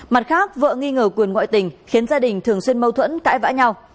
mặt khác vợ nghi ngờ quyền ngoại tình khiến gia đình thường xuyên mâu thuẫn cãi vã nhau